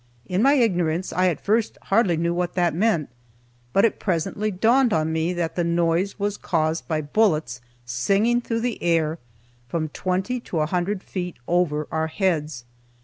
In my ignorance, I at first hardly knew what that meant, but it presently dawned on me that the noise was caused by bullets singing through the air from twenty to a hundred feet over our heads.